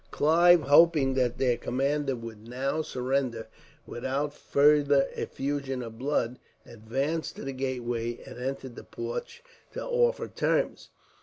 Clive, hoping that their commander would now surrender without further effusion of blood, advanced to the gateway and entered the porch to offer terms.